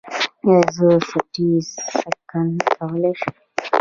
ایا زه سټي سکن کولی شم؟